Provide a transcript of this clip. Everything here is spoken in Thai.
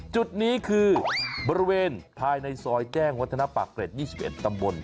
จุดนี้คือบริเวณภายในซอยแจ้งวัฒนปากเกร็ด๒๑ตำบล